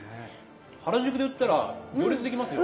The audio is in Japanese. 原宿で売ったら行列できますよ。